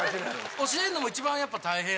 教えるのも一番やっぱ大変やったんで。